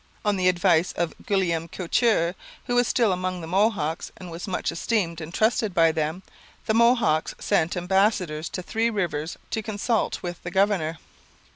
On the advice of Guillaume Couture, who was still among the Mohawks and was much esteemed and trusted by them, the Mohawks sent ambassadors to Three Rivers to consult with the governor.